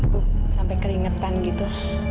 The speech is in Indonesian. tuh sampai keringetan gitu